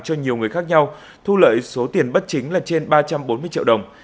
cho nhiều người khác nhau thu lợi số tiền bất chính là trên ba trăm bốn mươi triệu đồng